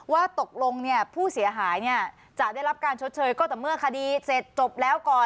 ว่าตกลงผู้เสียหายจะได้รับการชดเชยก็แต่เมื่อคดีเสร็จจบแล้วก่อน